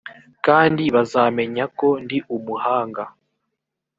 kandi bazamenya ko ndi umuhanga